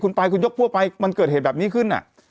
คุณไปคุณยกพวกไปมันเกิดเหตุแบบนี้ขึ้น